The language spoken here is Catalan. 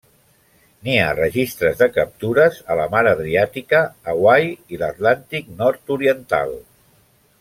N'hi ha registres de captures a la mar Adriàtica, Hawaii i l'Atlàntic nord-oriental.